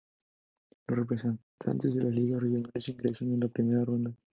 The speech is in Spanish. Los representantes de Ligas Regionales ingresan en la Primera Ronda.